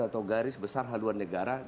atau garis besar haluan negara